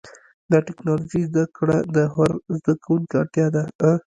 د ټکنالوجۍ زدهکړه د هر زدهکوونکي اړتیا ده.